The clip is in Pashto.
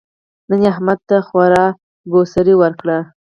نن يې احمد ته خورا ګوسړې ورکړې.